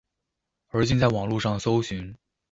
而今在網路上搜尋